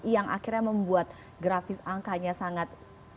yang akhirnya membuat grafis angkanya sangat